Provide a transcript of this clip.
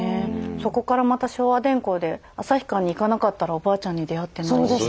そこからまた昭和電工で旭川に行かなかったらおばあちゃんに出会ってないし。